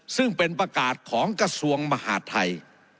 ซึ่งเป็นประกาศของกระทรวงมหาดไทย